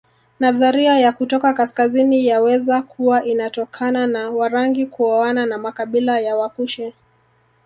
Nadharia ya kutoka kaskazini yaweza kuwa inatokana na Warangi kuoana na makabila ya Wakushi